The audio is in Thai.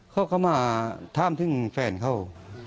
เขาก็มาถามถึงแฟนเขา